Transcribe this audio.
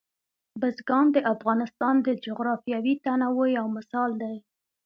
بزګان د افغانستان د جغرافیوي تنوع یو مثال دی.